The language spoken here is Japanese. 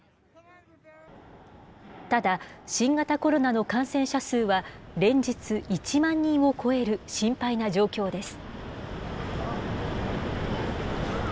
ただ、新型コロナの感染者数は連日１万人を超える心配な状況です。